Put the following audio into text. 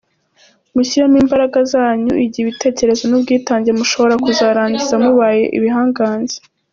Mushyiremo imbaraga zanyu, igihe, ibitekerezo n’ubwitange mushobora kuzarangiza mubaye ibihangange.”